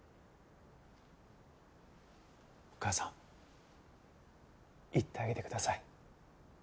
お母さん言ってあげてください。